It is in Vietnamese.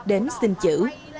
đến xin chữ